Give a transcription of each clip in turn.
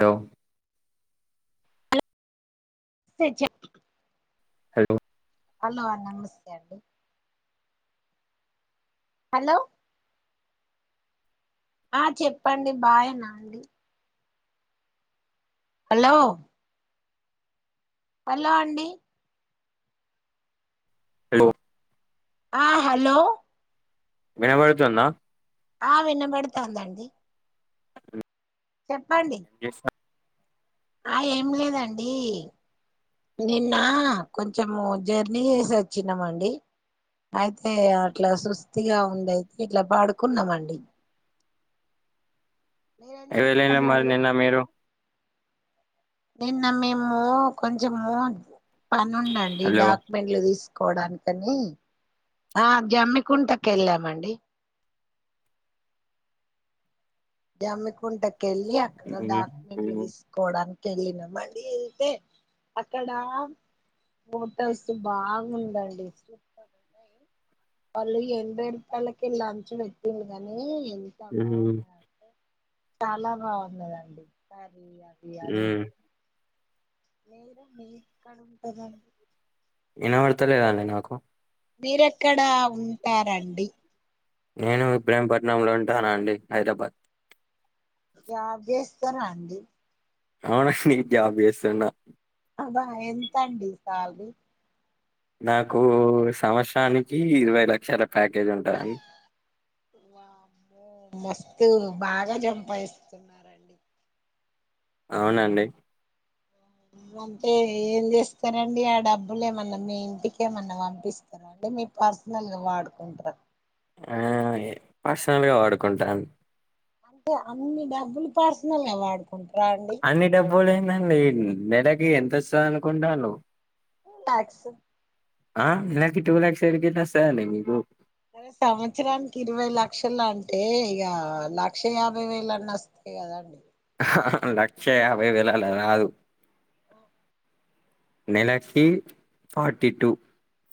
హో hello [inaudible] hello అహ నమస్తే అండి హలో ఆ చెప్పండి బాగేనా అండి హలో హలో అండి హలో ఆ హలో వినబడుతుందా ఆ వినబడుతాందండి చెప్పండి ఆ ఏమి లేదండి నిన్న కొంచము జర్నీ చేసి వచ్చినాము అండి అయితే అట్లా సుస్తిగా ఉందియితే ఇట్లా పాడుకున్నాము అండి ఎల్ల లేదా మరి చేస్తాలండి నిన్న మీరు నిన్న మేము కొంచెము పని ఉండండి హలో డాక్యుమెంట్లు తీసు కోడానికని ఆ జమ్మి కుంటకి వెళ్ళామండి జమ్మకుంటకెళ్ళి అక్కడ డాక్లు తీసుకోవడానికి వెళ్లినమండి వెళ్తే అక్కడ హోటల్స్ బాగుందండి వాళ్ళు ఎనభై రూపాయలకి లంచం పెట్టిర్రు కానీ ఎంత బాగున్నాదంటే చాలా బాగున్నదండి. ఇది అది అన్ని. మీరు ఎక్కడ ఉంటారు అండి. వినపడతలేదండి నాకు. మీరెక్కడా ఉంటారండి. నేను ఇబ్రహీంపట్నంలో ఉంటాను అండి హైదరాబాద్. జాబ్ చేస్తారా అండి. ఆహ్ నేను జాబ్ చేస్తున్నా. అబ్బా ఎంతండి సాలరీ. నాకు సంవత్సరానికి ఇరవై లక్షలు. వామ్మో. మస్తు బాగా సంపాదిస్తున్నారండి. అవునండి. అంటే ఏం చేస్తారండి ఆ డబ్బులు ఏమన్నా మీ ఇంటికి ఏమన్నా పంపిస్తారాండి. మీ పర్సనల్గా వాడుకుంటారా. ఆహ్ పర్సనల్గా వాడుకుంటానండి. అంటే అన్ని డబ్బులు పర్సనల్గా వాడు. అన్ని డబ్బులు ఏందండి నెలకి ఎంత వస్తది అనుకుంటుంర్రు. ట్యాక్స్. ఆహ్ నెలకి టూ లాక్స్ ఏడికేళ్లి వస్తాయండి మీకు. అరే సంవత్సరానికి ఇరవై లక్షలు అంటే ఇగా లక్ష యాభై వేల అన్న వస్తాయి. కదండి. ఆహ్ లక్ష యాభై వేలల్లా అలాకాదు. నెలకి ఫార్టీ టూ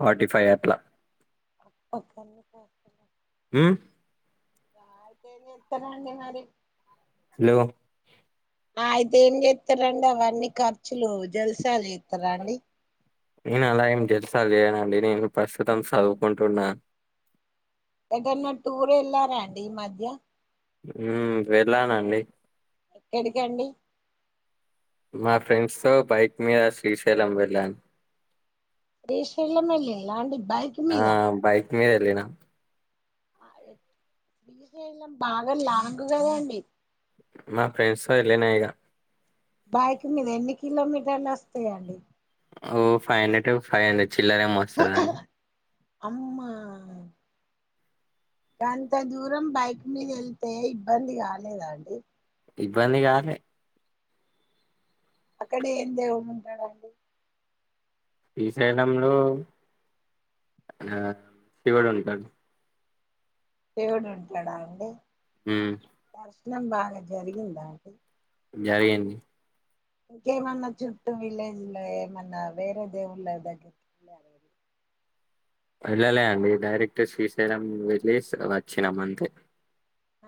ఫార్టీ ఫైవ్ అట్లా. ఓకే అండి మరి. ఉమ్. అవేం చేస్తారు అండి మరి. హలో. ఆహ్ అయితే ఏం చేస్తారండి అవన్నీ ఖర్చులు జల్సాలు చేస్తారాండి. నేను అలా ఏం జల్సాలు చేయనండి నేను ప్రస్తుతం చదువుకుంటున్నా. ఏంటన్నా టూర్ వెళ్ళారాండి ఈ మధ్య. ఉమ్ వెళ్ళానండి. ఎడికండి. మా ఫ్రెండ్స్ తో బైక్ మీద శ్రీశైలం వెళ్ళాను. శ్రీశైలం వెళ్ళింరాండి బైక్ మీద. [unintelligible] వేళ్లినం శ్రీశైలం బాగా లాంగ్ కదా అండి. మా ఫ్రెండ్స్ తో వెళ్ళినాయిగా. బైక్ మీద ఎన్ని కిలోమీటర్లు వస్తాయండి. ఓ five hundred two five hundred చిల్లరేమో వస్తదండి. అమ్మా. గంత దూరం బైక్ మీద వెళ్తే ఇబ్బంది కాలేదాండి ఇబ్బంది కాలే. అక్కడ ఏం దేవుడు ఉంటాడండి. శ్రీశైలంలో ఆహ్ శివుడు ఉంటాడు. దేవుడు ఉంటడా అండి హ్మ్ ప్రయాణం బాగా జరిగిందా అండి జరిగింది ఇంకేమన్నా చుట్టూ విలేజ్ లో ఏమన్నా వేరే దేవుళ్ళ దగ్గర్కి [inaudible] వెళ్ళలే అండి డైరెక్ట్ శ్రీశైలం వెల్లేస్ వచ్చినామంతే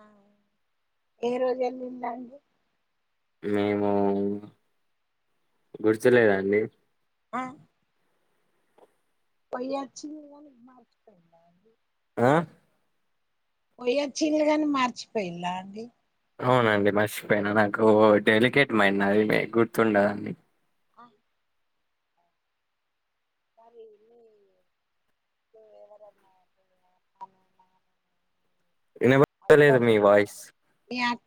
ఆ ఏ రోజువేలిండ్రండి మేము గుర్తులేదండి ఆ పోయొచ్చి మర్చిపోయిండ్రా అండి ఆ పోయియొచ్చిన్రు కానీ మర్చిపోయిందండి అవునండి మర్చిపోయిన నాకు డెలికేట్ మైండ్నది అది గుర్తుండదండి ఆ మరి ఇవి ఎవరెవన్నా ఆ వినబతలేదు మీ వాయిస్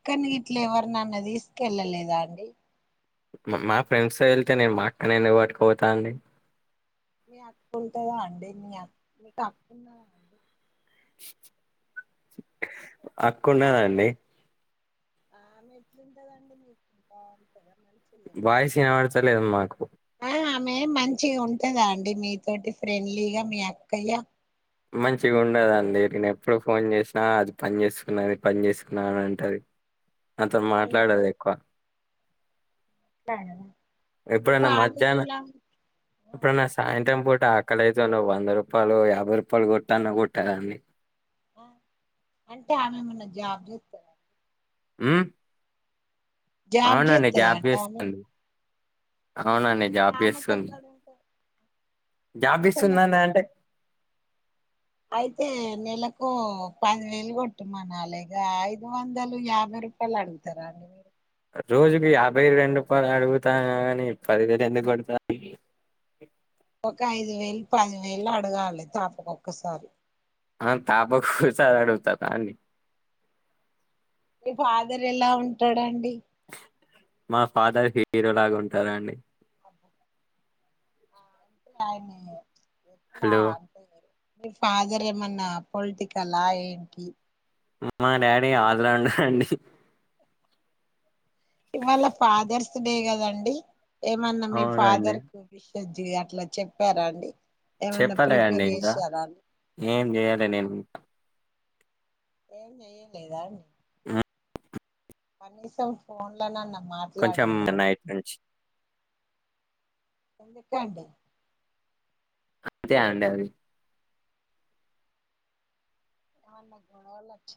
కానీ ఇట్లా ఎవర్నైనా తీసుకెళ్ళలేదా అండి మా ఫ్రెండ్స్ వెళ్తే నేను మా అక్కని ఎందుకుపాటుకుపోతాండి మీ అక్కు ఉంటందా అండి మీ మీకు అక్క ఉన్నదా అండి అక్కునదండి ఆమెట్లుంటదండి మీకు బొంటద వయిస్ వినబతలేద్ మాకు మె మంచిగా ఉంటందా అండి మీతోటి ఫ్రెండ్లీగా మీ అక్కయ్య మంచిగా ఉండదండి నేను ఎప్పుడు ఫోన్ చేసినా అది పని చేసుకున్నది పని చేసుకున్నా అని అంటది నాతోను మాట్లాడదు ఎక్కువ తెగదా ఎప్పుడన్న మధ్యాహ్న ఆ ఎప్పుడన్న సాయంత్రం పో కాలేజలో వంద రూపాయలు యాభై రూపాయలు కొట్టన్న కుట్టేదాన్ని ఆ అంటే ఆమె ఏమన్నా జాబ్ చెత్తర ఆమ్ జాబ్ అవునండి చేస్తదా జాబ్ అండి ఆమె చేస్తుంది అవునండి మరి జాబ్ ఆమెకి చేస్తుంది ఎక్కడ ఉంటది పైసలు జాబిస్తుందానా ఎక్కడ అంటే అయితే నెలకు పదివేలు కొట్టుమనలే ఇగ ఐదు వందలు యాభై టిప్పల్ అడుగుతారా మీరు రోజుకు యాభై రెండు రూపాయలు అడుగుతా కాని పదివేలు ఎందుకు కొడతాది ఒక ఐదు వేలు పది వేలు అడగాలి తప్పకొకసారి మనం తాపకోసారి అడుగుతారండీ మీ ఫాదర్ ఎలా ఉంటాడండి మా ఫాదర్ హీరో లాగా ఉంటారా అండి అహ అంటే ఆయనేనే ఎట్లా హలో అంటే నేను మీ ఫాదర్ ఏమన్నా పొలిటికల్ల ఏంటి మా డాడీ ఆజాలండు ఫ్రెండ్ ఇవాళ ఫాదర్స్ డే కదండి ఏమన్నా మీ అవునండి ఫాదర్ సజ్జి అట్లా చెప్పారా అండి ఏమన్నా చెప్పలే అండి ప్రిపేర్ ఇంకా చేసారా ఏం చేయాలి నేను ఇంకా ఏ ఏం లేదా మ్మ్. కనీసం ఫోన్లోనన్న కొంచెం మాట్లాడింద నైట్ నుంచి ఎంతకంట అంతే అనండి అది ఆన్న గొడవలు వచ్చ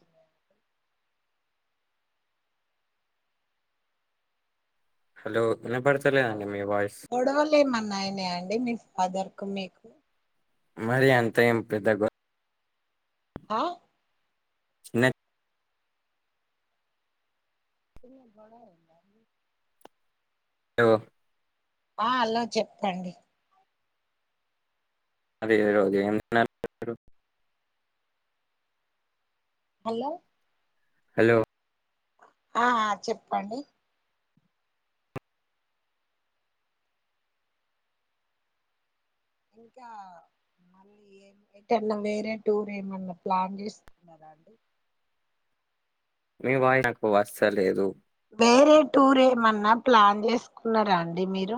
హలో వినపడుతలా గొడవలు ఏమన్నా అయినాయా అండి మీ ఫాదర్ కు మీకు మరి అంత ఏం పెద్ద గో హా న్న చెప్పాలా వద్దా అవ ఆ అలో చెప్పండి అదే రో ఎం రు హలో హలో ఆ ఆ చెప్పండి ఇంకా మళ్ళీ ఏ ఎదన్నా వేరే టూర్ ఏమన్నా ప్లాన్ చేస్తున్నారా అండి మీ వాయి నాకు వస్తలేదు వేరే టూర్ ఏమన్నా ప్లాన్ చేసుకున్నారా అండి మీరు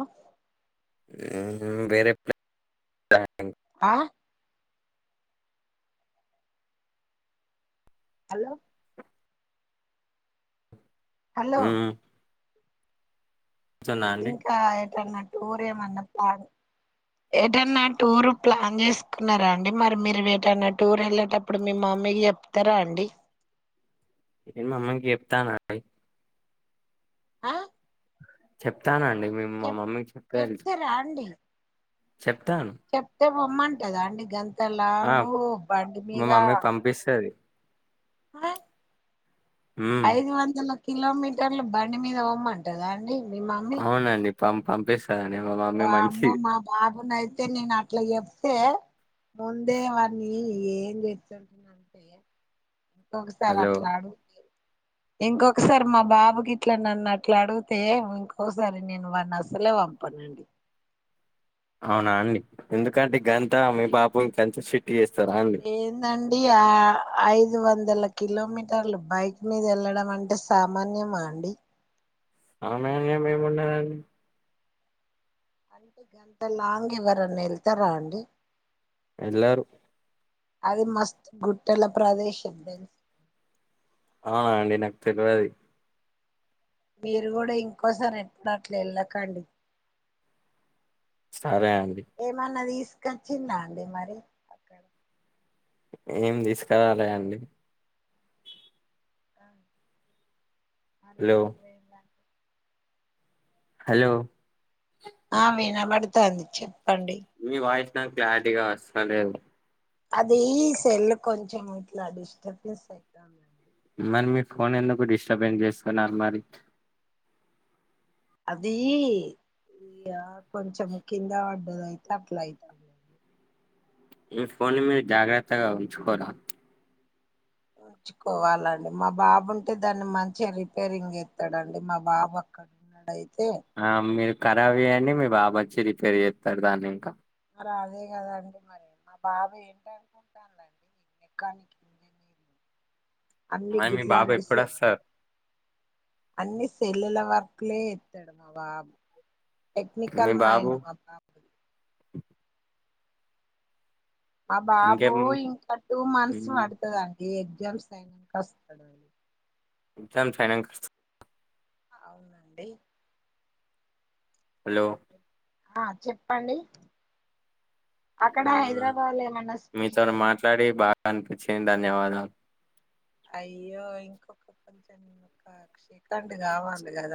ఉహు వేరే ఆ హలో హలో చెప్తున్నా అండి ఇంకా ఎటన్న టూరె ఎమన్నా ప్లాన్ ఏటన్నా టూర్ ప్లాన్ చేసుకున్నారా అండి మరి మీరు ఏటన్నా టూర్ వెళ్ళేటప్పుడు మేము మీరు చెప్తారా అండి నేను మా అమ్మకు చెప్తా ఆ చెప్తానండి మేము మా చెప్ మమ్మీకి చెప్పే వెళ్దు చెప్తారా అండి చెప్తాను అయితే బొమ్మంటదా అండి గంత ఆ లాగు బండి మా మీద మమ్మీ పంపిస్తది ఉమ్ ఐదు గంటలకు కిలోమీటర్లు బండి మీద పోమ్మంటదా అండి మీ మమ్మీ అవునండి పం పంపిస్తదని మమ్మీ మంచిది అవునయితే నేను అట్లా చెప్తే ముందే వాన్నీ ఏం చేస్తుంటున్నాను ఇంకొకసారి హలో అట్లాడు మీరు ఇంకొకసారి మా బాబుకి ఇట్లా నన్ను అట్లా అడిగితే ఇంకోసారి నేను వాన్నీ అసలే పంపనండి అవునా అండి ఎందుకంటగంతా మీ బాబు ఏందండి ఆహ్ ఐదు. ఐదు వందల కిలోమీటర్లు బైక్ మీద వెళ్లడం అంటే సామాన్యమా అండి. ఆమే మేము ఏంమున్నామండి. అంటే గంత లాంగ్ ఎవరన్నా వెళ్తారా అండి. ఎల్లారు. అది మస్తు గుట్టల ప్రదేశం తెలుసా. ఆహ్ అండి నాకు తెలువది. మీరు కూడా ఇంకోసారి ఎట్లాంటేంట్లా వెళ్ళకండి. సరే అండి. నచ్చిందా అండి మరి అక్కడ. ఏం తీసుకురాలేదండి. ఆహ్. మరి హలో ఎందుకు పోయింరండి. హలో. ఆహ్ వినబడుతోంది చెప్పు. మీ వాయిస్ నాకు క్లారిటీగా వస్తలేదు. అది సెల్ కొంచెం ఇట్లా డిస్టర్బ్నెస్ అయిత ఉంది అండి. మరి మీ ఫోన్ ఎందుకు డిస్టర్బెన్స్ చేసుకున్నారు మరి. అదీ. ఇక కొంచెం కింద పడ్డది అయితే అట్లా అయితోంది. మీ ఫోన్ని మీరు జాగ్రత్తగా ఉంచుకోరా. ఉంచుకోవాలండి మా బాబు ఉంటే దాన్ని మంచిగా రిపేరింగ్ చేత్తాడండి మా బాబు అక్కడ. ఉన్నాడైతే. ఆహ్ మీరు ఖరాబ్ చేయండి మీ బాబు వచ్చి రిపేర్ చేస్తాడు దాన్ని ఇంకా. మరి అదే కదండి మరి మా బాబు ఏంటానుకుంటున్నారండి మెకానిక్ ఇంజనీర్. అన్ని మరి మీ బాబు గిట్లాంటి ఎప్పుడు సె వస్తాడు. అన్ని సెల్లుల వర్కులే చేత్తాడు మా బాబు. మీ టెక్నికల్ బాబు మైండ్ మా బాబుది. ఆహ్ బాబు ఇంకేం ఇంకా టూ మంత్స్ పడుతదంటా. ఈ ఎగ్జామ్స్ అయినాంక వస్తాడంట. ఎంతైనా ఫైనాన్స్. ఆహ్ అవునండి. హలో. ఆహ్ చెప్పండి. అక్కడ ఉమ్ హైదరాబాద్ లో ఏమన్నా మీతోని స్పెషల్ ఉంటాయా మాట్లాడి బాగా అనిపించింది ధన్యవాదాలు. అయ్యో ఇంకొక కొంచెం ఒక సెకండ్ కావాలి కదా.